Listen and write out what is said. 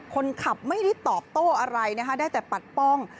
คนขับไม่ได้ตอบโต้อะไรนะคะได้แต่ปัดป้อง